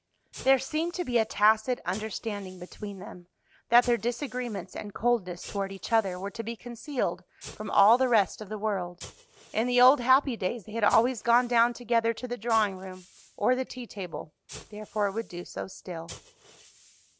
There seemed to be a tacit understanding between them that their disagreements and coldness toward each other were to be concealed from all the rest of the world; in the old happy days they had always gone down together to the drawing room or the tea table, therefore would do so still.